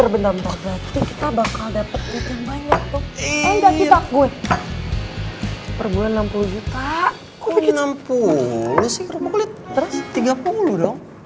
rumah gue liat tiga puluh doang